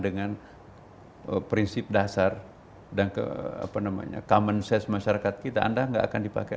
dengan prinsip dasar dan ke apa namanya common sense masyarakat kita anda enggak akan dipakai